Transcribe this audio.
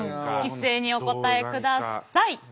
一斉にお答えください。